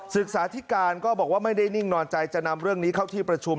ศึกษาธิการก็บอกว่าไม่ได้นิ่งนอนใจจะนำเรื่องนี้เข้าที่ประชุม